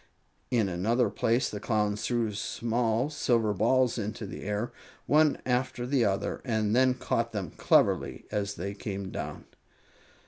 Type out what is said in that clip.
In another place the Clowns threw small silver balls into the air, one after the other, and then caught them cleverly as they came down.